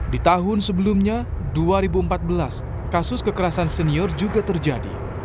di tahun sebelumnya dua ribu empat belas kasus kekerasan senior juga terjadi